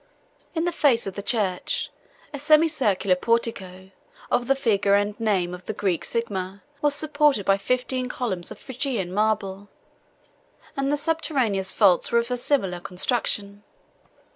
In the face of the church, a semicircular portico, of the figure and name of the Greek sigma, was supported by fifteen columns of Phrygian marble, and the subterraneous vaults were of a similar construction.